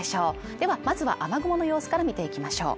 では、まずは雨雲の様子から見ていきましょう。